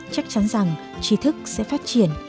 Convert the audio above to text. chắc chắn rằng trí thức sẽ phát triển